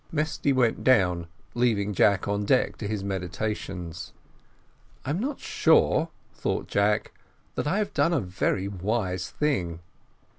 Mesty went down, leaving Jack on deck to his meditations. "I am not sure," thought Jack, "that I have done a very wise thing.